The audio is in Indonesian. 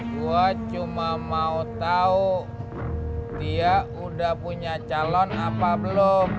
gue cuma mau tahu dia udah punya calon apa belum